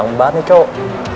ganteng banget nih cowok